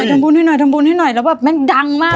ทำบุญให้หน่อยทำบุญให้หน่อยแล้วแบบแม่งดังมาก